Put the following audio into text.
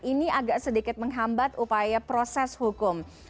ini agak sedikit menghambat upaya proses hukum